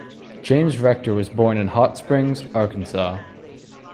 James Rector was born in Hot Springs, Arkansas.